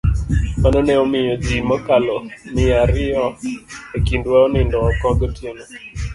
Mano ne omiyo ji mokalo mia riyo e kindwa onindo oko gotieno.